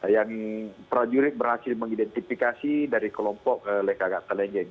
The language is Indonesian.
yang prajurit berhasil mengidentifikasi dari kelompok lekagak kelenjeng